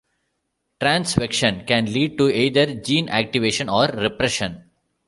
Transvection can lead to either gene activation or repression.